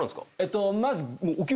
まず。